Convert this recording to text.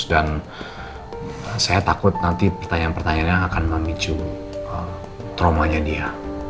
dan saya takut nanti pertanyaan pertanyaannya akan memicu trauma nya dia